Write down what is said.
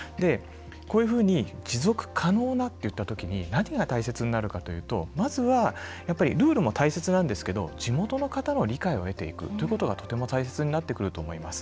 こういうふうに持続可能なって言った時に何が大切になるかというとまずは、やっぱりルールも大切なんですけど地元の方の理解を得ていくということが、とても大切になってくると思います。